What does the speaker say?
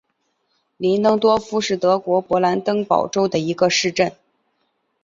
林登多夫是德国勃兰登堡州的一个市镇。